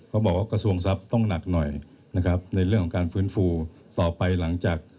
กระทรวงทรัพย์ต้องหนักหน่อยนะครับในเรื่องของการฟื้นฟูต่อไปหลังจาก